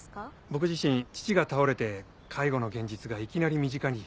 僕自身父が倒れて介護の現実がいきなり身近に。